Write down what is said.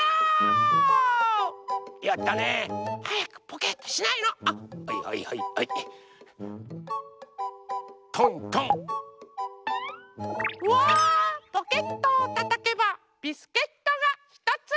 ポケットをたたけばビスケットがひとつ！